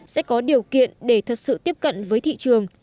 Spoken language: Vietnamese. sẽ có điều kiện để thật sự tiếp cận với thị trường